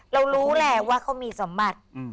เรารู้แหละว่าเขามีสมบัติ